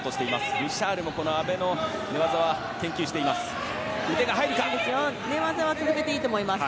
ブシャールも、阿部の寝技は研究しています。